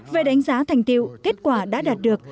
về đánh giá thành tiêu kết quả đã đạt được